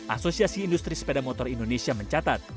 asosiasi industri sepeda motor indonesia mencatat